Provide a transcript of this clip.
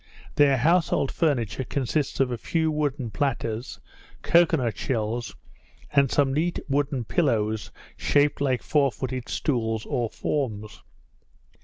Their household furniture consists of a few wooden platters, cocoa nut shells, and some neat wooden pillows shaped like four footed stools or forms.